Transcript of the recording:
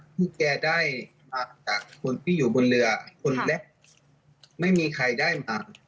พวกแกได้มาจากคนที่อยู่บนเรือคนเล็กไม่มีใครได้มา